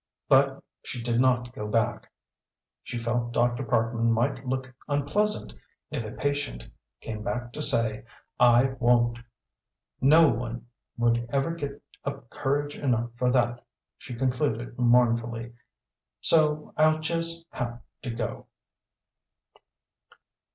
_" But she did not go back. She felt Dr. Parkman might look unpleasant if a patient came back to say: "I won't." "No one would ever get up courage enough for that," she concluded mournfully, "so I'll just have to go."